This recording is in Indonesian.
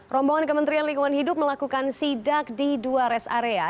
rombongan kementerian lingkungan hidup melakukan sidak di dua rest area